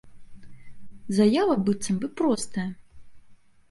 Заява быццам бы простая.